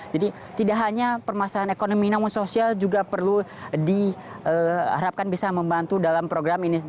jadi tidak hanya permasalahan ekonomi namun sosial juga perlu diharapkan bisa membantu dalam program ini